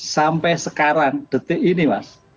sampai sekarang detik ini mas